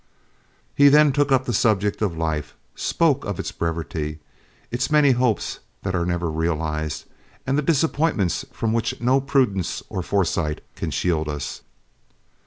He then took up the subject of life, spoke of its brevity, its many hopes that are never realized, and the disappointments from which no prudence or foresight can shield us.